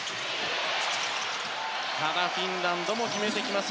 ただフィンランドも決めてきます。